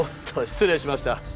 失礼しました。